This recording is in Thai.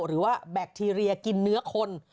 หรือว่าแบคทีเรียกินเนื้อคน